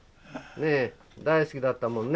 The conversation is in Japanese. ねえ大好きだったもんね。